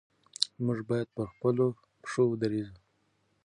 موږ باید پر خپلو پښو ودرېږو.